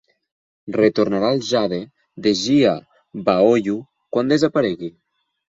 Retornarà el jade de Jia Baoyu quan desaparegui.